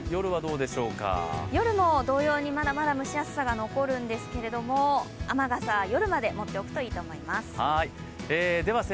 夜も同様にまだまだ蒸し暑さが残るんですが雨傘、夜まで持っておくといいと思います。